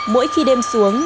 mỗi khi đêm xuống